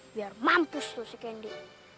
biar mampus tuh si candy